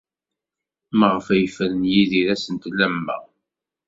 Maɣef ay yefren Yidir asentel am wa?